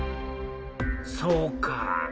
そうか。